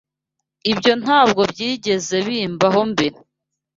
Ibyo ntabwo byigeze bimbaho mbere.